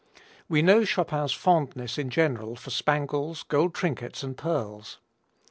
We know Chopin's fondness in general for spangles, gold trinkets and pearls.